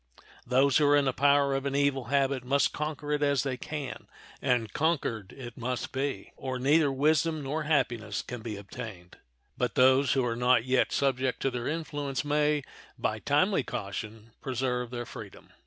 Those who are in the power of an evil habit must conquer it as they can, and conquered it must be, or neither wisdom nor happiness can be obtained; but those who are not yet subject to their influence may, by timely caution, preserve their freedom.